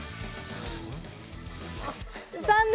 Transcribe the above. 残念！